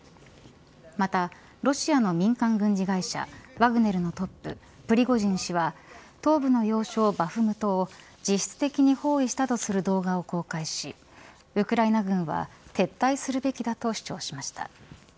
またロシアの民間軍事会社ワグネルのトッププリゴジン氏は東部の要衝バフムトを実質的に包囲したとする動画を公開しウクライナ軍は撤退するべきだと主張しました。